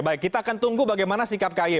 baik kita akan tunggu bagaimana sikap ky